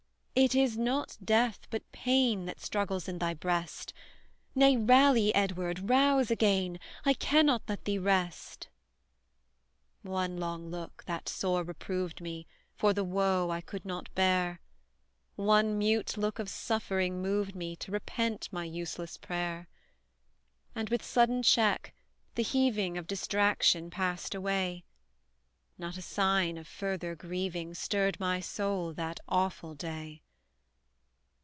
It is not death, but pain That struggles in thy breast Nay, rally, Edward, rouse again; I cannot let thee rest!" One long look, that sore reproved me For the woe I could not bear One mute look of suffering moved me To repent my useless prayer: And, with sudden check, the heaving Of distraction passed away; Not a sign of further grieving Stirred my soul that awful day.